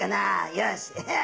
よし。